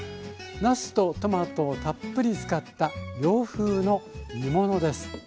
なすとトマトをたっぷり使った洋風の煮物です。